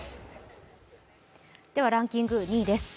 ランキング２位です。